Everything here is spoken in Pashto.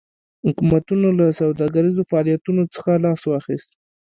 حکومتونو له سوداګریزو فعالیتونو څخه لاس واخیست.